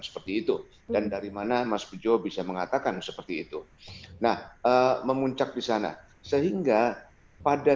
seperti itu dan dari mana mas bujo bisa mengatakan seperti itu nah memuncak di sana sehingga pada